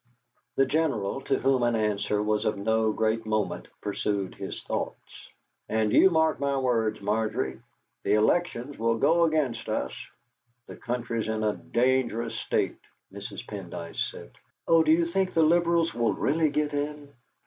The General, to whom an answer was of no great moment, pursued his thoughts. "And you mark my words, Margery; the elections will go against us. The country's in a dangerous state." Mrs. Pendyce said: "Oh, do you think the Liberals will really get in?"